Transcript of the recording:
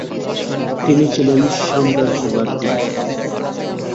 তিনি ছিলেন সাম্রাজ্যবাদ বিরোধী।